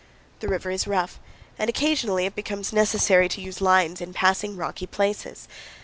The river is rough, and occasionally it becomes necessary to use lines in passing rocky places.